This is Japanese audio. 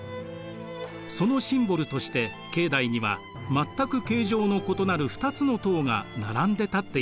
そのシンボルとして境内には全く形状の異なる２つの塔が並んで建っています。